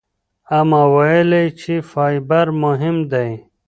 اما ویلي چې فایبر مهم دی.